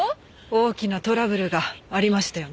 大きなトラブルがありましたよね。